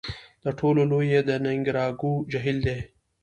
د ټولو لوی یې د نیکاراګو جهیل دی.